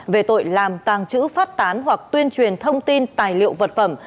về tội làm tàng trữ phát tán hoặc tuyên truyền thông tin tài liệu vật phẩm